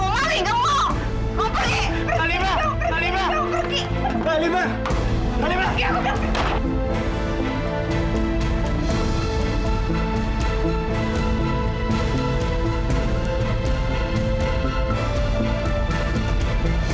mas kamu pergi